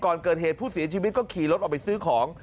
ก่อนเกิดเหตุผู้เสียชีวิตก็ขี่รถออกไปซื้อของ